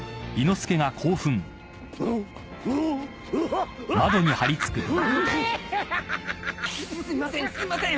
すみません！